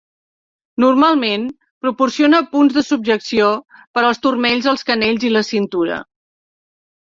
Normalment proporciona punts de subjecció per als turmells, els canells i la cintura.